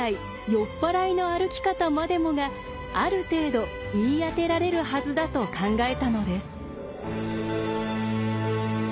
酔っ払いの歩き方までもがある程度言い当てられるはずだと考えたのです。